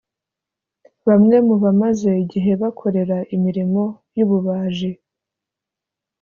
Bamwe mu bamaze igihe bakorera imirimo y’ububaji